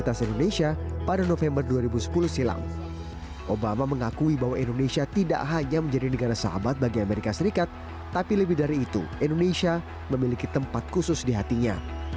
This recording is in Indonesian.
saya berpikir akan mengunjungi negara yang sangat berarti bagi saya